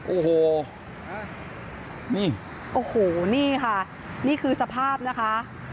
โอ้โหนี่โอ้โหนี่ค่ะนี่คือสภาพนะคะ